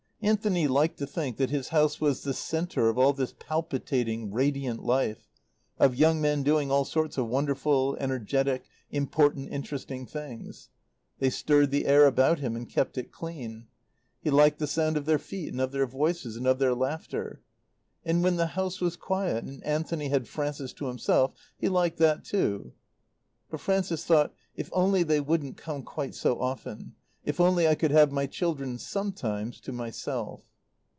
Anthony liked to think that his house was the centre of all this palpitating, radiant life; of young men doing all sorts of wonderful, energetic, important, interesting things. They stirred the air about him and kept it clean; he liked the sound of their feet and of their voices, and of their laughter. And when the house was quiet and Anthony had Frances to himself he liked that, too. But Frances thought: "If only they wouldn't come quite so often if only I could have my children sometimes to myself!"